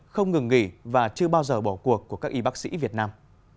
không ngừng nghỉ và chưa bao giờ bỏ cuộc của các y bác sĩ việt nam